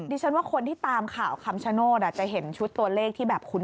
ดิฉันว่าคนที่ตามข่าวคำชโนธจะเห็นชุดตัวเลขที่แบบคุ้น